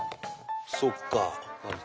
そっか。